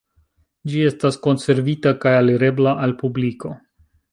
Ĝi estas konservita kaj alirebla al publiko.